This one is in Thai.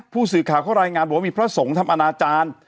พูดข่าวรายงานว่ามีพระศงธรรมนาจารย์